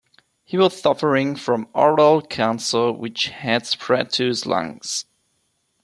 He was suffering from oral cancer which had spread to his lungs.